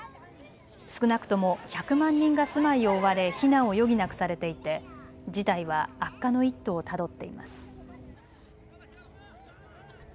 少なくとも１００万人が住まいを追われ避難を余儀なくされていて事態は悪化の一途をたどっています。